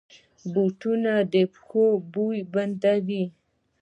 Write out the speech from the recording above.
بوټونه د پښو بوی بندوي.